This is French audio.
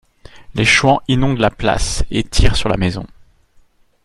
Les chouans inondent la place et tirent sur la maison.